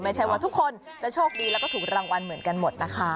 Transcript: ไม่ใช่ว่าทุกคนจะโชคดีแล้วก็ถูกรางวัลเหมือนกันหมดนะคะ